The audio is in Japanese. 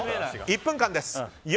１分間です。